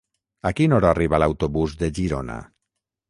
A quina hora arriba l'autobús de Girona?